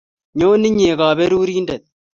Nyo inye kaberurindet